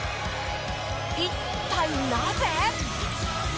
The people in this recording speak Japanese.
一体なぜ？